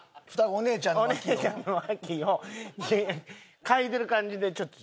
お姉ちゃんのわきを嗅いでる感じでちょっと。